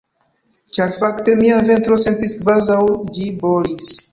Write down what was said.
Ĉar fakte mia ventro sentis kvazaŭ ĝi bolis.